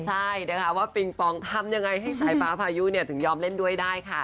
ใช่นะคะว่าปิงปองทำยังไงให้สายฟ้าพายุถึงยอมเล่นด้วยได้ค่ะ